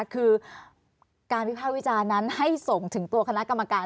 คือการวิภาควิจารณ์นั้นให้ส่งถึงตัวคณะกรรมการ